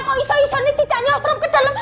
kok iso iso timepunktnya cicaknya otrop kedalem